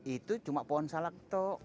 itu cuma pohon salak